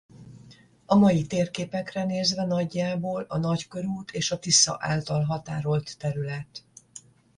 A mai térképekre nézve nagyjából a nagykörút és a Tisza által határolt terület.